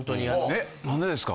え何でですか。